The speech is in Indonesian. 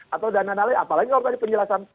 atau dana lain apalagi kalau tadi penjelasan